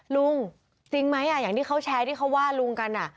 จริงไหมอย่างที่เขาแชร์ที่เขาว่าลุงกัน